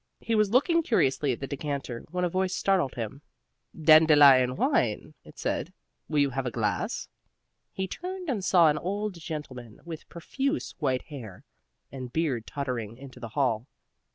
He was looking curiously at the decanter when a voice startled him. "Dandelion wine!" it said. "Will you have a glass?" He turned and saw an old gentleman with profuse white hair and beard tottering into the hall.